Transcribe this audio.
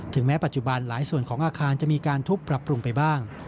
แม้ปัจจุบันหลายส่วนของอาคารจะมีการทุบปรับปรุงไปบ้าง